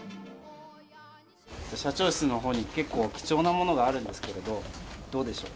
社長室の方に結構貴重なものがあるんですけれどどうでしょう？